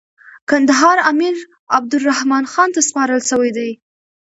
کندهار امیر عبدالرحمن خان ته سپارل سوی دی.